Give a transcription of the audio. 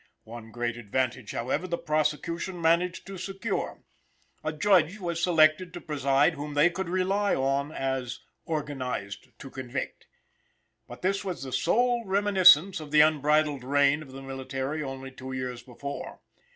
One great advantage, however, the prosecution managed to secure. A Judge was selected to preside whom they could rely on, as "organized to convict." But this was the sole reminiscence of the unbridled reign of the military only two years before.